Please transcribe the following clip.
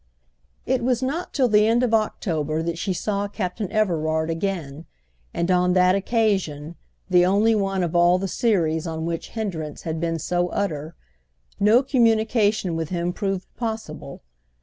It was not till the end of October that she saw Captain Everard again, and on that occasion—the only one of all the series on which hindrance had been so utter—no communication with him proved possible.